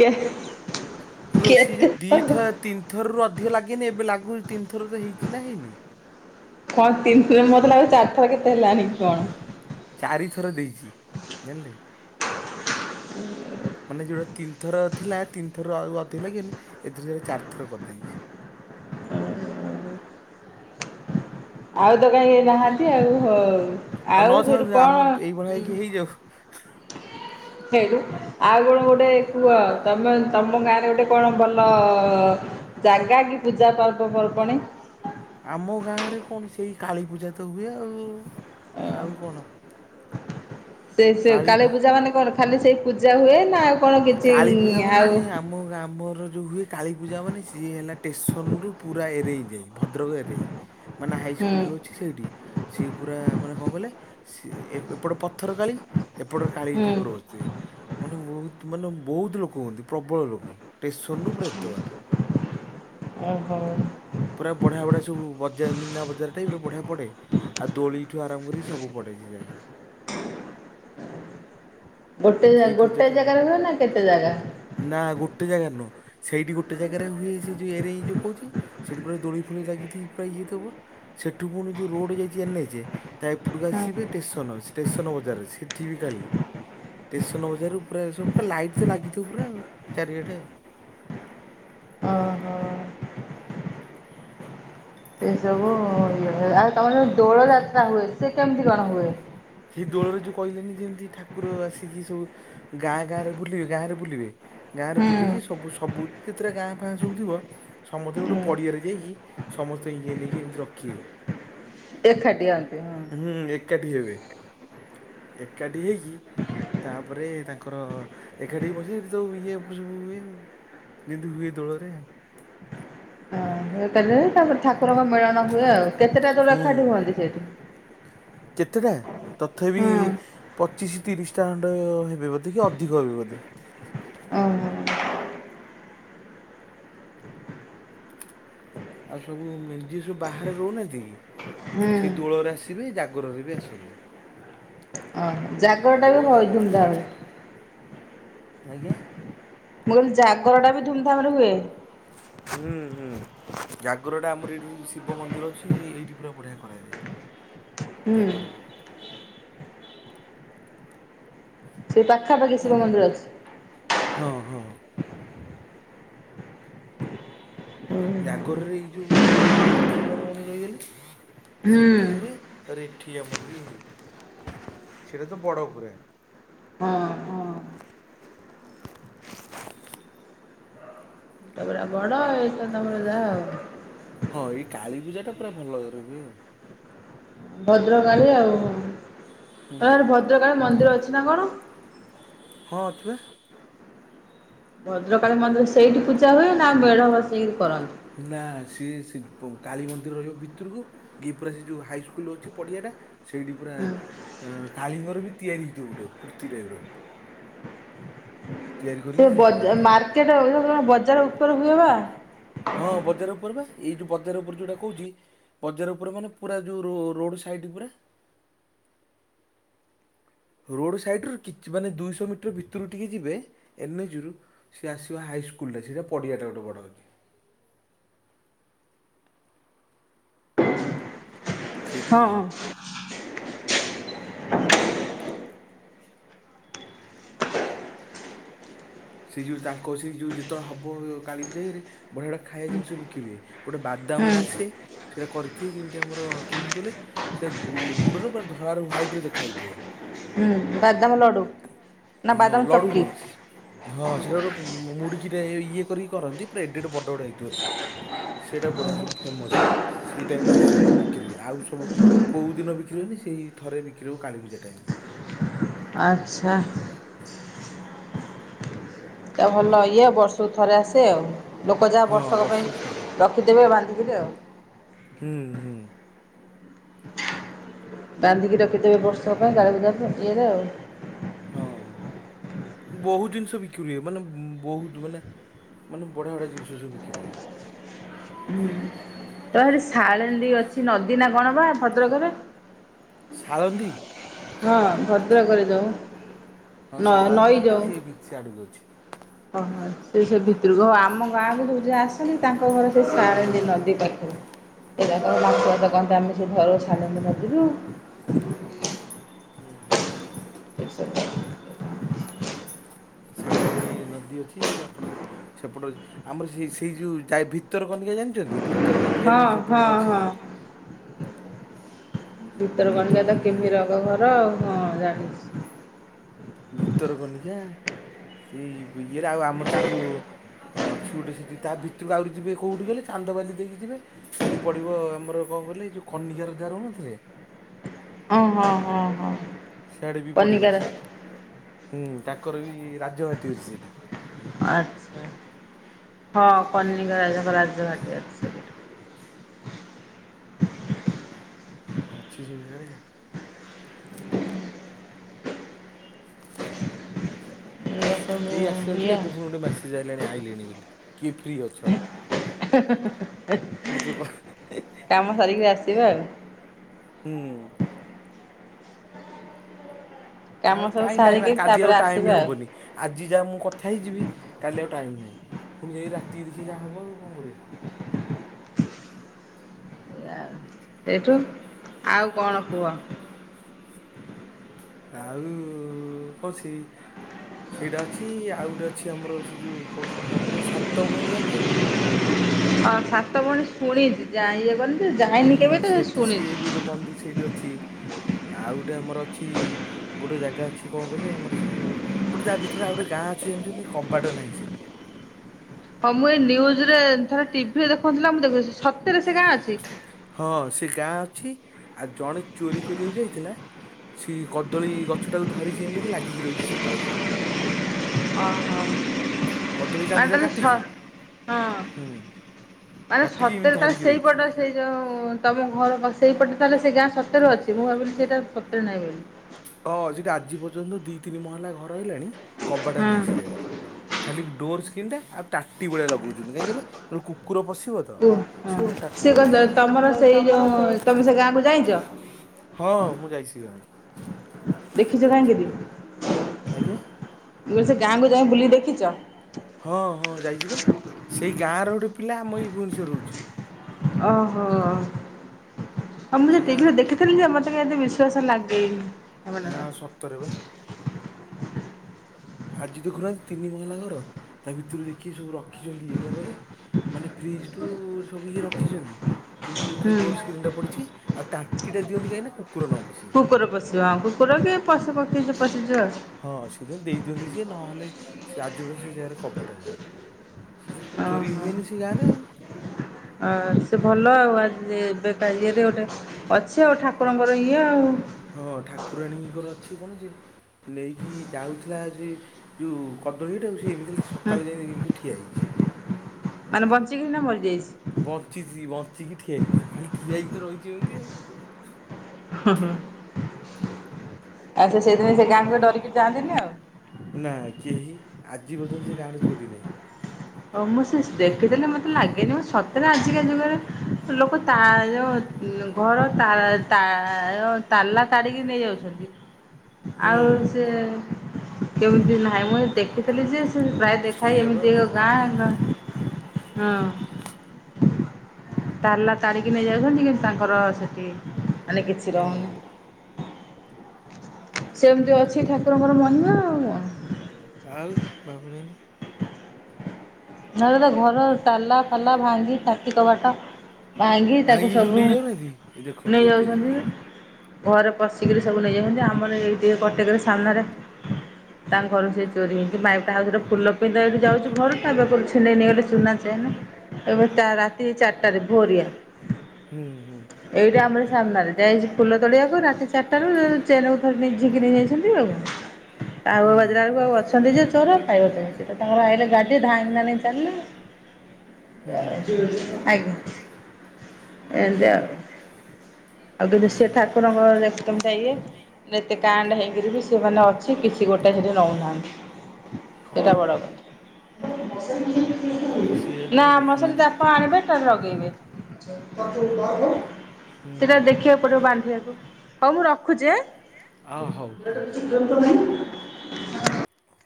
କେ ରୋଷି ଯୋଉ ଦି ଥର ତିନି ଥର ରୁ ଅଧିକ ଲାଗେନି ଏବେ ଲାଗ ଆଗରୁ ତିନି ଥର ତ ହେଇଛି ନା ହେଇନି କଣ ତିନିଥ ମତେ ଲାଗେ ଚାରି ଥର କେତେ ହେଲାଣି କଣ? ଚାରିଥର ଦେଇଚି ଜାଣିଲେ। ମାନେ ଯେଉଁଟା ତିନିଥର ଥିଲା, ତିନିଥର ଅଧିକ ହେଲା କି, ଏଥିର ସେଟା ଚାରିଥର କରିଦେଇଛି। ଆଉ ତ କାଇଁ ନାହାନ୍ତି ଆଉ ହଉ। ଆଉ ସେଇଠୁ ନଥାନ୍ତୁ ଆମ ଏଇଭଳିଆ କଣ ହେଇକି ହେଇଯାଉ। ସେଇଠୁ ଆଉ କଣ ଗୋଟେ କୁହ, ତମେ ତମ ଗାଁରେ ଗୋଟେ କଣ ଭଲ ଜାଗା ଆଗେ ପୂଜା ପର୍ବପର୍ବାଣି। କାଳୀପୂଜା ତ ହୁଏ ଆଉ, ଆଉ କଣ? ସେ ସେ କାଳୀ ପୂଜା ମାନେ କଣ ଖାଲି ସେଇ ପୂଜା ହୁଏ ନା ଆଉ କଣ କିଛି କାଳୀପୂଜା ମାନେ ଆଉ ଆମ ଆମର ଯେଉଁ ହୁଏ। କାଳୀପୂଜା ମାନେ ସିଏ ହେଲା, ଷ୍ଟେସନରୁ ପୁରା ଏରେଇ ଯାଇ ଭଦ୍ରକରେ। ମାନେ ହୁଁ ହାଇସ୍କୁଲଟି ଅଛି ସେଇଠି। ସିଏ ପୁରା ମାନେ କଣ କଲେ ସି ଏପଟେ ପଥର କାଳି। ଏପଟରେ କାଳୀ ହୁଁ ଠାକୁର ବସିିଥିବେ ମାନେ ବହୁତ ମାନେ ବହୁତ ଲୋକ ହୁଅନ୍ତି। ପ୍ରବଳ ଲୋକ ଷ୍ଟେସନରୁ ପୁରା ଏତେ ବାଟ। ଓହୋ ପୁରା ବଢିଆ ବଢିଆ ସବୁ ବଜା ମିନାବଜାର ଟାଇପ୍ ର ବଢିଆ ପଡେ। ଆଉ ଦୋଳି ଠୁ ଆରମ୍ଭ କରିକି ସବୁ ପଡେ। ଏହି ଜାଗାରେ ଗୋଟେ ସେଇ ଜାଗ ଗୋଟେ ପୂଜାଟା ଜାଗାରେ ହୁଏ ନା କେତେ ଜାଗା? ସେଇଟି ଗୋଟେ ଜାଗାରେ ହୁଏ ସେ ଯୋଉ ଏରେଇ ଯୋଉ କହୁଛି ସେଇଠି ପୁରା ଦୋଳି ଫୋଳି ଲାଗିଥି ପୁରା ଇଏ ଥିବ ସେଠୁ ପୁଣି ଯୋଉ ରୋଡ଼୍ ଯାଇଚି ଏନ୍ଏଚେ ତା ଏପଟକୁ ଆସିବେ ଷ୍ଟେସନ ଅଛି। ଷ୍ଟେସନ ବଜାର ସେଠି ବି କାଳୀ। ଷ୍ଟେସନ ବଜାରରୁ ପୁରା ସବୁୁ ଲାଇଟ୍ ତ ଲାଗିଥିବ ପୁରା ଆଉ ଚାରିଆଡେ ଆଉ। ଓହୋ। ସେ ସବୁ [unintelligible] ଆଉ ତୋମର ଯୋଉ ଦୋଳ ଯାତ୍ରା ହୁଏ ସେ କେମିତି କଣ ହୁଏ? ସେଇ ଦୋଳରେ ଯୋଉ କହିଲିନି ଯେମିତି ଠାକୁର ଆସିକି ସବୁ ଗାଁ ଗାଁ ରେ ବୁଲିବେ। ଗାଁ ରେ ବୁଲିବେ। ଗାଁରେ ବୁଲିକି ହୁଁ ସବୁ ସବୁ ଯେତେଟା ଗାଁ ଫାଁ ସବୁ ଥିବ ସମସ୍ତେ ଗୋଟେ ପଡ଼ିଆରେ ଯାଇକି। ସମସ୍ତେ ଇଏ ନେଇକି ଏମିତି ରଖିବେ। ଏକାଠି ହୁଅନ୍ତି ହଁ। ହୁଁ, ଏକାଠି ହେବେ। ଏକାଠି ହେଇକି ତାପରେ ତାଙ୍କର ଏକାଠି ବସି। ସେଠି ତ ଉ, ଇଏ ପୁସୁବୁ ହୁଏ। ଯେମିତି ହୁଏ ଦୋଳରେ। [unintelligible] ତାପରେ ଠାକୁରଙ୍କ ମିଳନ ହୁଏ ଆଉ। କେତେଟା ଦୋଳ ହୁଁ ଏକାଠି ହୁଅନ୍ତି ସେଇଠି? କେତେଟା? ତଥାପି ଓହୋ ପଚିଶ ତିରିଶଟା ଖଣ୍ଡ ହେବେ ବୋଧେ କି ଅଧିକ ହେବେ ବୋଧେ। ଓହୋ। ଆଉ ସବୁ ମେ-ଯିଏ ସବୁ ବାହାରେ ରହୁନାହାନ୍ତି କି ହୁଁ। ସେ ଦୋଳରେ ଆସିବେ, ଜାଗରରେ ବି ଆସନ୍ତି। ଓହୋ ଜାଗରଟା ଦୋଳ ବି ହଏ ଜାଗର ଧୂମଧାମ୍? ଆଜ୍ଞା? ମୁଁ କହିଲି, ଜାଗର ଟା ବି ଧୁମଧାମ୍ ରେ ହୁଏ? ହୁଁ ହୁଁ, ଜାଗରଟା ଆମର ଏଇଠି ଶିବ ମନ୍ଦିର ଅଛି। ଏଇଠି ପୁରା ବଢ଼ିଆ କରାଯାଏ। ଜାଗରରେ। ସେଇ ପାଖାପାଖି ଶିବ ମନ୍ଦିର ଅଛି? ହଁ, ହଁ। ହୁଁ। ଜାଗରରେ ଏଇ ଯୋଉ ରହିଲା ଆଖଣ୍ଡଳମଣୀ ରହିଗଲେ ହଁ। ସେଠି ହୁଏ। ତାରେ ଏଠି ଆମର ବି ହୁଏ। ସେଟା ତ ବଡ ଉପରେ। ହଁ। ସେଟା ବଡ଼ ଏଟା ତୋମର ଯା। ହଁ ଏଇ କାଳୀ ପୂଜା ଟା ପୁରା ଭଲରେ ହୁଏ ଅ,। ଭଦ୍ରକାଳୀ ଆଉ। ହୁଁ ତୋମର ଭଦ୍ରକାଳୀ ମନ୍ଦିର ଅଛି ନା କଣ? ହଁ ଅଛି ବା। ଭଦ୍ରକାଳୀ ମନ୍ଦିର ସେଇଠି ପୂଜା ହୁଏ ନା? ମେଢ ବସେଇକି କରନ୍ ନା ସିଏ ସିପ କାଳୀ ମନ୍ଦିର ରହିବ ଭିତରକୁ। ଇଏ ପୁରା ସେ ଯୋଉ ହାଇସ୍କୁଲ୍ ଅଛି ପଡିଆଟା ସେଇଠି ପୁରା ଅଁ, କାଳିଙ୍କର ବି ତିଆରି ହେଇଥିବ ଗୋଟେ ମୂର୍ତ୍ତି ଟାଇପ୍ ର। ସେ ବଜ ଏ କରନ୍ତି ସେ। ମାର୍କେଟ୍ [unintelligible] ବଜାର ଉପରେ ହୁଏ ବା। ହଁ ବଜାର ଉପରେ ପା। ଏଇ ଯୋଉ ବଜାର ଉପରେ ଯୋଉଟା କହୁଛି ବଜାର ଉପରେ ମାନେ ପୁରା ଯୋଉ ରୋ ରୋଡ଼୍ ସାଇଡ଼୍ ପୁରା ରୋଡ଼୍ ସାଇଟ୍ ରୁ କିଛ ମାନେ ଦୁଇଶହ ମିଟର୍ ଭିତରକୁ ଟିକେ ଯିବେ ଏନ୍‌ଏଚ୍ ରୁ ସେ ଆସିବ ହା ଇସ୍କୁଲଟା, ସିଏ ଯୋଉ ପଡ଼ିଆଟା ଗୋଟେ ବଡ ଅଛି। ସେଇଟି ହଁ। ହୁଏ। ସେ ଯୋଉ ତାଙ୍କ ସେ ଯୋଉ ଯେତେବେଳେ ହବ କାଳୀ ପୂଜା ଇଏରେ ବଢିଆ ବଢ଼ିଆ ଖାଇବା ଜିନିଷ ବିକ୍ରି ହୁଏ। ଗୋଟେ ବା ହୁଁ ଦାମର ଆସେ ସେଟା କରିଥି ଯେମିତି ଆମର କେମିତି କହିଲେ ସେ ଗୁ-ଗୁଡର ପୁରା ଧଳା ର ହ୍ୱାଇ ର ଦେଖା ହଉଥୁବ ହୁଁ। ବାଦାମ ଲଡୁ ନା ହଁ ବାଦାମ ଲଡୁ ଚକି। ନଉଛି ହଁ। ସେଇଟା ଗୋଟେ ମୁଡ଼ିକିଟା ଇଏ କରିକି କରନ୍ତି। ପୁରା ଏଡେ ଏଡେ ବଡ ବଡ ହେଇଥିବ ସେ ସେଇଟା ବଢିଆ ସେଇଠି ଫେମସ ସେଇ ଟାଇମ ରେ ଆସୁଛନ୍ତି ବିକ୍ରି ଆଉ ସବୁ କୋଉ ଦିନ ବିକ୍ରି ହୁଏନି। ସେଇ ଥରେ ବିକ୍ରି ହୁଏ କାଳିପୂଜା ଟାଇମରେ ଆଚ୍ଛା। ତା ଭଲ ଇଏ ବର୍ଷକୁ ଥରେ ଆସେ ଆଉ ଲୋକ ଯାହା ହଁ ବର୍ଷକ ବର୍ଷକୁ ଥରେ। ପାଇଁ ରଖିଦେବେ ବାନ୍ଧି [unintelligible] ହୁଁ ହୁଁ। ବାନ୍ଧିକି ରଖିଦେବେ ବର୍ଷ ପାଇଁ କାଳିପୂଜା ଇଏରେ ଆଉ ହଁ ବହୁତ ଜିନିଷ ବିକ୍ରି ହୁଏ। ମାନେ ବହୁତ ମାନେ ମାନେ ବଢିଆ ବଢିଆ ଜିନିଷବୁ ବିକ୍ରି ହୁଏ। ହୁଁ ସାଡେ ଶାଳନ୍ଦୀ ଅଛି ନଦୀ ନା କଣ ବା ଭଦ୍ରକରେ? ସାଳନ୍ଦୀ? ହଁ ଭଦ୍ରକରେ ଯୋଉ ହଁ ନ ସାଳନ୍ଦୀ ନଈ ନନ୍ଦୀ ଯୋଉ ସିଏ ସାଡ଼କୁ ଅଛି। ଓହୋ ସେ ସେ ଭିତରକୁ ହଉ ଆମ ଗାଁ କ ଯୋଉ ଯ ଆସନ୍ତି ତାଙ୍କ ଘରେ ସେ ଯେଉଁ ସାରନ୍ଦୀ ନଦୀ ପାଖରେ ସେମାନେ ମାଛ ଫାଛ କଣ ଆଣନ୍ତି ସେଇ ସାରନ୍ଦୀ ନଦୀରୁ ହୁଁ ହୁଁ। ଠିକ୍ ସେ ହୁଁ। ସାଳନ୍ଦୀ ନଦୀ ଅଛି ଆପଣଙ୍କର ସେପଟ ଆମର ସେ ସେଇ ଯୋଉ ଭିତର କନିକା ଜାଣିଛନ୍ତି ଭିତର କନିକା ହଁ ହଁ ସେପଟେ ଅଛି ଯେ ଭିତର କନିକା ତ ଭିତରକନିକାରେ କୁମୀରଙ୍କ ଘର ହଁ ଜା ଭିତର କନିକା ସେଇ ଇଏରେ ଆଉ ଆମର ସେ ଯୋଉ ହଁ ଅଛି ଗୋଟେ ସେଠି ତା ଭିତରକୁ ଆହୁରି ଯିବେ କୋଉଠି ଗଲେ ଚାନ୍ଦବାଲି ଦେଇକି ଯିବେ ସେ ପଡ଼ିବ ଆମର କଣ କହିଲେ ଯଉ କନିକା ରଜା ରହୁନଥିଲେ। ଓହୋ ହୋ ହୋ ସିଆଡେ ବି ପଡିବ ହୁଁ ତାଙ୍କର ବି ରାଜହାତୀ ଅଛି ସେଠି ଆଚ୍ଛା ହଁ କନିକ ରାଜାଙ୍କ ରାଜ ଘାଟି ଅଛି। ଅଛି ସବୁ ଜାଣିନ? ଏଇଆ ସବୁ କେହି ଆସି ନଥିଲେ ଇଏ ଏବେ ଫୋନ୍ ଗୋଟେ ମେସେଜ୍ ଆଇିଲାଣି ଆଇଲିଣି ବୋଲି କିଏ ଫ୍ରି ଅଛ? [unintelligible] ଭିତରକୁ କାମ ସାରିକି ଆସିବା ଆଉ ହୁଁ। କାମ ହଁ ସବୁ କାଇଁ ସାରିକି କାଲି ଆଉ ତାପରେ ଟାଇମ ଆସିବା ଆଉ। ହବନି ଆଜି ଯାହା ମୁଁ କ କଥା ହେଇଯିବି କାଲି ଆଉ ଟାଇମ ନାହିଁ। ପୁଣି ଯାଇକ ରାତି ଦେଖେ ଯାହାହବଉ କଣ କରିବା ସେଇଠୁ ଆଉ କଣ କୁହ? ଆଉ କହୁଛି ସେଇଟା ଅଛି ଆଉ ଗୋଟେ ଅଛି ଆମର ସେ ଯୋଉ କହୁଛନ୍ତି କଣ କହିଲେ ସାତ ଭଉଣୀ ଯାଣିଛନ୍ତି? ହଁ ସାତ ଭଉଣୀ ଶୁଣିଛି ଯା ଇଏ କରିନି ହୁଁ ସେଠି ସିଏ ବି ଗୋଟେ ମନ୍ଦିର ସେଇଠି ଅଛି। ଆଉ ଗୋଟେ ଆମର ଅଛି ଗୋଟେ ଜାଗା ଅଛି କଣ କହିଲେ ଆମର ସେ ଯୋଉ ଗୋଟେ ଯାହା ଭିତରେ ଆଉ ଗୋଟେ ଗାଁ ଅଛି ଜାଣିଛନ୍ତି କବାଟ ନାହିଁ ସେଠି। ହଁ ମୁଁ ଏଇ ନିଉଜୁ ରେ ଥରେ ଟିଭି ରେ ଦେଖଉଥିଲା ମୁଁ ଦେଖ ସତରେ ସେ ଗାଁ ଅଛି। ହଁ ସେ ଗାଁ ଅଛି। ଆଉ ଜଣେ ଚୋରି କରିବାକୁ ଯାଇଥିଲା ସେ କଦଳୀ ଗଛଟାକୁ ଧରିଛି ଏମିତି ଲାଗିକି ରହିଛି ସକାଳେ ସେ ଅ କଦଳୀ ଆ କାନ୍ଦିଟା ତାହଲେ ସ କାଟିଛି ହଁ ହୁଁ ମାନେ କାଟିକି ଏମିତି ସତରେ ତ ଧରିକି ରହିଛି ସେଇପଟ ସେଇ ଯୋଉ ତମ ମୋର ସେଇପଟେ ତାହେଲେ ସେ ଗାଁ ସତରେ ଅଛି ମୁଁ ଭାବିଲି ସେଇଟା ସତରେ ନାହିଁ ବୋଲିି। ହଁ ସେଠା ଆଜି ପର୍ଯ୍ୟନ୍ତ ଦି ତିନି ମହିଲା ଘର ହେଲାଣି କବାଟ ନାହିଁ ସେ ହଁ ଜାଗାରେ। ଖାଲି ଡୋର ସ୍କ୍ରିନ ଟା ଆଉ ତାଟି ବଳିଆ ଲଗଉଚନ୍ତି କାହିଁ କହିଲେ ଲ କୁକୁର ପସି ଓହ ହଁ ସେ କ କଣ ତମର ସେଇ ଯୋଉ ସେଇ ଗାଁ? ତମେ ସେ ଗାଁକୁ ଯାଇଚ? ହଁ ମୁଁ ଯାଇଛି ସେ ଗାଁ କୁ। ଦେଖଚ କାହିଁକିରି। ଆଜ୍ଞା। ମୁ କହିଲି ସେ ଗାଁକୁ ଯାଅ ବୁଲିିକି ଦେଖିଚ। ହଁ ହଁ ଯାଇଛି ବା ସେଇ ଗାଁର ଗୋଟିଏ ପିଲା ଆମ ଏଇ ଭୁବୁନୁସର ରେ ରହୁଚି। ଓହୋ ଆଉ ମୁଁ କହିଲି ସେ ଗାଁର ଟିଭିରେ ପିଲା। ଦେଖିଥିଲି ଯେ ମତେ କାଇଁ ଏତେ ବିଷ ଆସ ଲାଗେନି। ନା ସେମାନଙ୍କର। ସତରେ ବା। ଆଜି ଦେଖୁ ନାହାନ୍ତି ତିନି ମହଲା ଘର ତା ଭିତରୁ ଦେଖିବେ ସବୁ ରଖିଛନ୍ତି ଇଏ କଣ କହିଲେ ମାନେ ଫ୍ରିଜଠୁ ସବୁ ଇଏ ରଖିଚନ୍ତି। କିନ୍ତୁ ଖାଲି ଡୋର ହୁଁ ସ୍କ୍ରିନ୍ଟା ପଡ଼ିଚି ଆଉ ତାଟିଟା ଦିଅନ୍ତି କାହିଁକି ନା କୁ କୁକୁର ପଶିବ କୁକୁର କି ପଶି ପଖି ପଶିଯିବ। ହଁ ସେଥିପାଇଁ ଦେଇ ଦିଅନ୍ତି ସିଏ ନହେଲେ ସେ ଆଜି ପର୍ଯ୍ୟନ୍ତ ସେ ଜାଗାରେ କବାଟ ନାହିଁ। ସେ ତ ଚୋରି ଓହୋ ହୁଏନି ସେ ଗାଁ ରେ ଆଉ। ଅ ସେ ଭଲ ଆଉ ଆଜି [unintelligible] ଏବେ ଇଏରେ ଗୋଟେ ଅଛି ଆଉ ଠାକୁରଙ୍କର ଇଏ ଆଉ। ହଁ ଠାକୁରାଣୀଙ୍କର ଅଛି କଣ ଯେ ନେଇକି ଯାଉଥିଲା ଯେ ଯୋଉ କଦଳୀଟା କୁ ସେ ଏମିତି ସକାଳୁ ଯାଇ ଏମିତି ଠିଆ ହେଇଚି। ମାନେ ବଞ୍ଚିକିନା ମରିଯାଇଚି। ବଚିଂଛି ବଚିଂକି ଠିଆ ହେଇଚି ଖାଲି ଠିଆହେଇକି ତ ରହିଛି ଏମିତି ଆଉ। ହଁ ହଁ। ଆଛା ସେଦିନ ସେ ଗାଁକୁ ଡରିକି ଯଆନ୍ତିନି ଆଉ। ନା କେହି ଆଜି ପର୍ଯ୍ୟନ୍ତ ସେ ଗାଁରେ ଛୋରି ନାହିଁ। ଓ ମୁଁ ସେ ସେ ଦେଖିଥିଲି ମତେ ଲାଗେନି ମୁଁ ସତରେ ଆଜିକା ଯୁଗରେ ଲୋକ ତା ର ଘର ତା ତା ତାଲା ତାରିକି ନେଇଯାଉଛନ୍ତି। [inaudible] ଆଉ ସେ କେମିତି ନାହିଁ ମ ଦେଖିଥିଲି ଯେ ପ୍ରାୟ ଦେଖଏ ସେଇଆ ବା ଏମିତି ଏକ ମାନେ ଭାବୁନାହାନ୍ତି ଗାଁ ହଁ ତାଲା ତାରିକି ନେଇ ଯାଉଚନ୍ତି କିନ୍ତ ତାଙ୍କର ସେଠି ମାନେ କିଛି ହୁଁ। ରହୁନି। ସେମିତି ଅଛି ଠାକୁରଙ୍କର ମହିମା ଆଉ। ଆଉ ଭାବୁନାହାନ୍ତି ନହେଲେ ତ ଘର ତାଲା ଫାଲା ଭାଙ୍ଗି ଟାତି କବାଟ ଭାଙ୍ଗି ତାକୁ ଭାଙ୍ଗିକି ସବୁ ନେଇଯାଉନାହାନ୍ତି ଏ ଦେଖନ୍ତୁ ନେଇ ଏବେ ଯାଉଚନ୍ତି। ଦେଖନ୍ତୁ। ଘରେ ପଶିକିରି ସବୁ ନେଇଯାଉଚନ୍ତି ଆମର ଏଇ ଟିକେ କଟେକରେ ସାମ୍ନାରେ ତାଙ୍କ ଘରୁ ସେ ଚୋରି ହେଇ ମାଇ କାହାକୁ ଦ ଫୁଲ ପିନ୍ଧେଇ ଯାଉଚି ଘରୁ [unintelligible] ଛିଣ୍ଡେଇ ନେଇଗଲେ ସୁନା ଚେନେ ଏବେ ତା ରାତି ଚାରିଟାରେ ଭୋରିଆ ହୁଁ ହୁଁ। ଏଇଟା ଆମର ସାମ୍ନାରେ ଯାଇଚି ଫୁଲ ତୋଳିବାକୁ ରାତି ଚାରିଟାରୁ ଚେନକୁ ଥର ଝିକି ନେଇ ଯାଇଛନ୍ତି ଆଉ କଣ। ଆଉ ହୁଁ ବାଜିଲା ବେଳକୁ ଆଉ ଅଛନ୍ତି ଯେ ଚୋର ଖାଇବାଛନ୍ତି ସେ ତାଙ୍କରେ ଗାଡି ଧାଇଙ୍ଗ କିନା ନେଇକି ଚାଲିଲେ ହୁଁ ଆଜ୍ଞ। ଏମିତି ଆଉ। ଆଉ ଯଦି ହୁଁ ସେ ହୁଁ ଠାକୁରଙ୍କ ଦେଖ [unintelligible] ପାଇବେ ନିତି କାଣ୍ଡ ହେଇ ବି ସେମାନେ ଅଛି କିଛି ଗୋଟେ ସେଠି ନଉନାହାନ୍ତି ହଁ ସେଇଟା ବା। ବଡ଼ କଥା। ଆଉ ସେଇଆ ନା ନୁହଁ ଆମର ସେଠୀ ଦେଖୁନାହାନ୍ତି ତାପ ଆଣିବ ଏଟା ର ଖିବେ। ହୁଁ ସେଇଟା ହୁଁ ଦେଖିବାକୁ ପଡିବ ବାନ୍ଧିବାକୁ ହଉ ମୁଁ ରଖୁଛି ଆଁ। ଆ ହଉ ଲଟ ହଉ। ରଭ କରନ୍ତ ନାହିଁ [unintelligible]